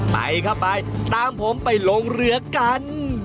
ไปเข้าไปตามผมไปลงเรือกัน